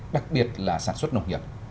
đặc biệt là sản xuất nông nghiệp